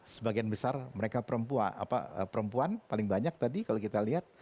sebagian besar mereka perempuan paling banyak tadi kalau kita lihat